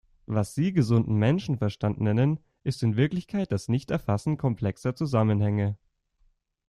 Was Sie gesunden Menschenverstand nennen, ist in Wirklichkeit das Nichterfassen komplexer Zusammenhänge.